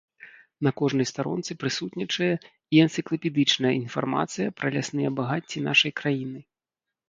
На кожнай старонцы прысутнічае і энцыклапедычная інфармацыя пра лясныя багацці нашай краіны.